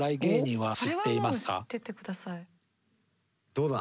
どうだ？